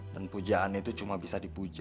dan pujaan itu cuma bisa dipuja